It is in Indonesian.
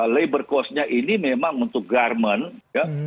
labor cost nya ini memang untuk garment